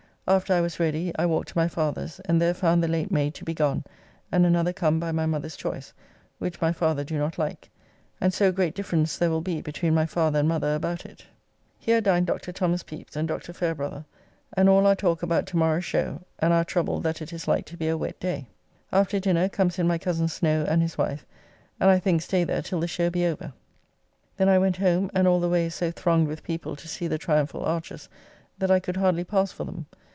After I was ready I walked to my father's and there found the late maid to be gone and another come by my mother's choice, which my father do not like, and so great difference there will be between my father and mother about it. Here dined Doctor Thos. Pepys and Dr. Fayrebrother; and all our talk about to morrow's show, and our trouble that it is like to be a wet day. After dinner comes in my coz. Snow and his wife, and I think stay there till the show be over. Then I went home, and all the way is so thronged with people to see the triumphal arches, that I could hardly pass for them.